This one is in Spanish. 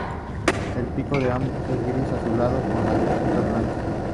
El pico de ambos es gris azulado con la punta blanca.